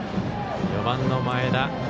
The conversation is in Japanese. ４番の前田